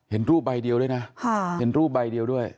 เห็นรูปใบเดียวด้วยนะเห็นรูปใบเดียวด้วย